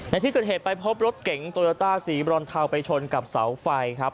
ในที่เกิดเหตุไปพบรถเก๋งโตโยต้าสีบรอนเทาไปชนกับเสาไฟครับ